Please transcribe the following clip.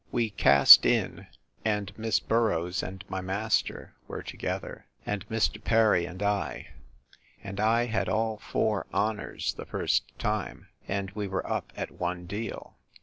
We cast in, and Miss Boroughs and my master were together, and Mr. Perry and I; and I had all four honours the first time, and we were up at one deal.